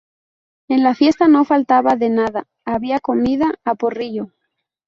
En la fiesta no faltaba de nada, había comida a porrillo